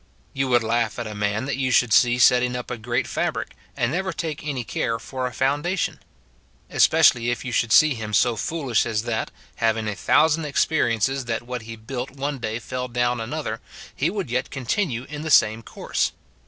You would laugh at a man that you should see setting up a great fabric, and never take any care for a foundation ; especially if you should see him so foolish as that, having a thousand experiences that what he built one day fell down another, he would yet continue in the same course.